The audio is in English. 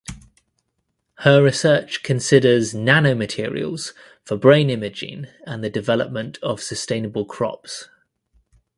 Her research considers nanomaterials for brain imaging and the development of sustainable crops.